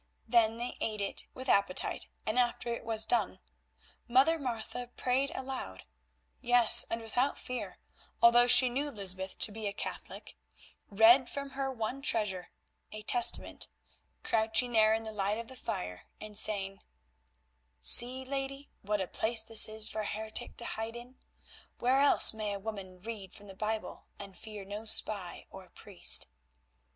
Then they ate it with appetite, and after it was done, Mother Martha prayed aloud; yes, and without fear, although she knew Lysbeth to be a Catholic, read from her one treasure, a Testament, crouching there in the light of the fire and saying: "See, lady, what a place this is for a heretic to hide in. Where else may a woman read from the Bible and fear no spy or priest?"